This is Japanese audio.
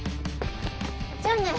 じゃあね。